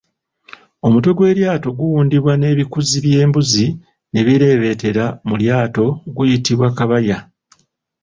Omutwe gw'eryato guwundibwa nebikuzzi byembuzi ne bireebeetera mu lyato guyitibwa Kabaya.